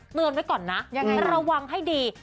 เตือนไว้ก่อนนะระวังให้ดี